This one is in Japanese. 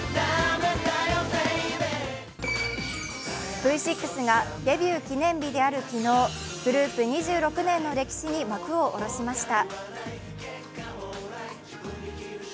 Ｖ６がデビュー記念日である昨日、グループ２６年の歴史に幕を下ろしました。